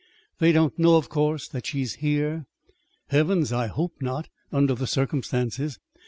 "They don't know, of course, that she's here?" "Heavens, I hope not! under the circumstances.